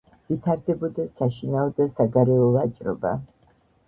ვითარდებოდა საშინაო და საგარეო ვაჭრობა.